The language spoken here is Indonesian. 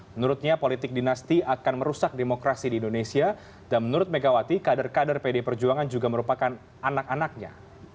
menurutnya politik dinasti akan merusak demokrasi di indonesia dan menurut megawati kader kader pdi perjuangan juga merupakan anak anaknya